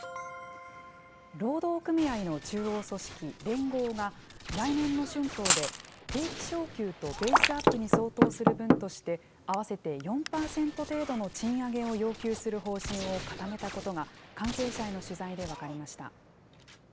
労働組合の中央組織、連合が、来年の春闘で定期昇給とベースアップに相当する分として、合わせて４％程度の賃上げを要求する方針を固めたことが、関係者への取材で分かりました。